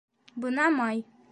Бына май